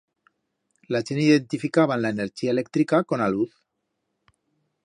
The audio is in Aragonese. La chent identificaban la enerchía electrica con a luz.